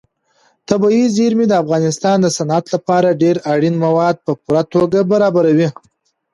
طبیعي زیرمې د افغانستان د صنعت لپاره ډېر اړین مواد په پوره توګه برابروي.